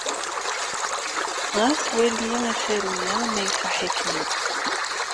Ɣas wali asaru-a ma iṣaḥ-ikem-id.